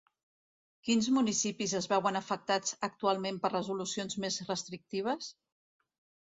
Quins municipis es veuen afectats actualment per resolucions més restrictives?